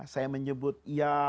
saya menyebut ya